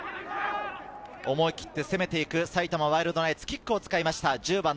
思い切って攻めていく埼玉ワイルドナイツ、キックを使いました。